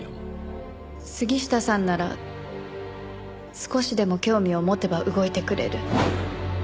杉下さんなら少しでも興味を持てば動いてくれる。